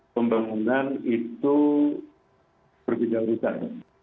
pembangunan itu berkejar kejar